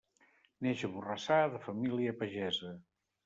Neix a Borrassà, de família pagesa.